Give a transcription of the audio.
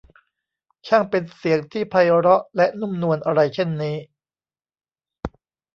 ช่างเป็นเสียงที่ไพเราะและนุ่มนวลอะไรเช่นนี้ !